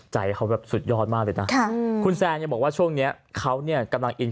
ใจเขาสุดยอดมากเลยนะคุณแซนบอกว่าช่วงนี้เขาเนี่ยกำลัง